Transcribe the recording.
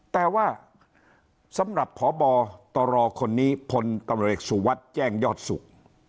แต่ว่าสำหรับผ่อบอตรคนนี้พลตรสุวรรษแจ้งยอดสุข